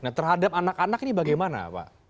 nah terhadap anak anak ini bagaimana pak